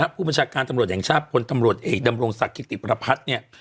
ผู้บัญชาการตำรวจแห่งชาติพลตำรวจเอกดำรงศักดิติประพัฒน์เนี่ย